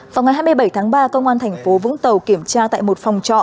vào ngày hai mươi bảy tháng ba công an thành phố vũng tàu kiểm tra tại một phòng trọ